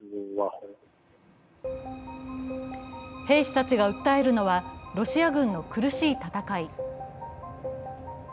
兵士たちが訴えるのはロシア軍の苦しい戦い。